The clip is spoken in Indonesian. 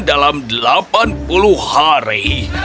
dalam delapan puluh hari